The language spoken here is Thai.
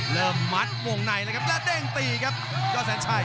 เริ่มมัดวงในและเด้งตีครับยอสัญชัย